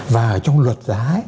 và trong luật giá